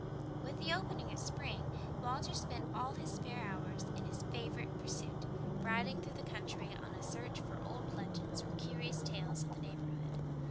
With the opening of spring Walter spent all his spare hours in his favorite pursuit, riding through the country on a search for old legends or curious tales of the neighborhood.